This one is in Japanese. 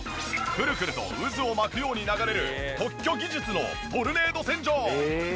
クルクルと渦を巻くように流れる特許技術のトルネード洗浄。